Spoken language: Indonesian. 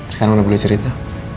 sekarang udah boleh cerita